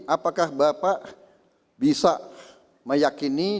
apakah bapak bisa meyakini dan mengetahui bahwa ini adalah konflik kepentingan ini